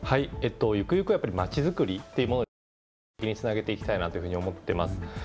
ゆくゆくは、まちづくりっていうものにもっと具体的につなげていきたいなというふうに思っています。